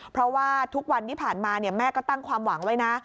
เพราะว่าทุกวันที่ผ่านมาแม่ก็ตั้งความหวังไว้นะ